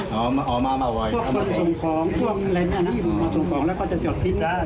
พวกคนส่งของพวกอะไรอย่างนี้นะมาส่งของแล้วก็จะจอดทิ้ง